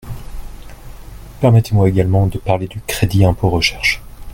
Permettez-moi également de parler du crédit impôt recherche.